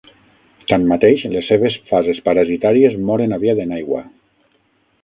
Tanmateix, les seves fases parasitàries moren aviat en aigua.